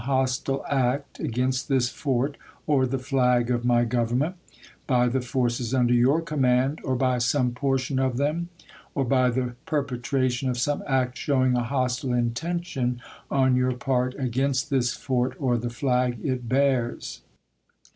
hostile act against this fort or the flag of my Government, ^victor?' by the forces under your command or by some portion of g^thg^^ them, or by the perpetration of some act showing a hostile Rebellion." intention on your part against this fort or the flag it bears.